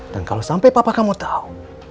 dan kalau sampai papa kamu tau